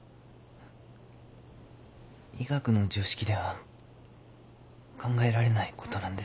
医学の常識では考えられないことなんです。